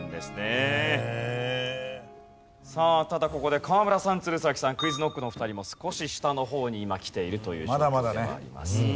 さあただここで河村さん鶴崎さんＱｕｉｚＫｎｏｃｋのお二人も少し下の方に今きているという状況ではあります。